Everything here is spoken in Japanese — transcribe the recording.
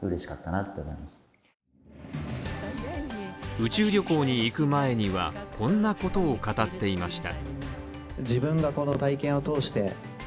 宇宙旅行に行く前にはこんなことを語っていました。